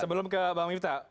sebelum ke mbak miftah